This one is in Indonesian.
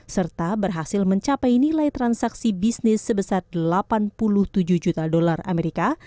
serta berhasil mencapai nilai transaksi bisnis sebesar delapan puluh tujuh juta dolar amerika